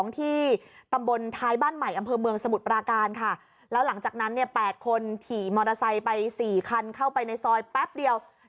ที่ตำบลท้ายบ้านใหม่อำเภอเมืองสมุทรปราการค่ะแล้วหลังจากนั้นเนี่ย๘คนขี่มอเตอร์ไซค์ไป๔คันเข้าไปในซอยแป๊บเดียว